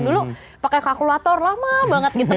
dulu pakai kalkulator lama banget gitu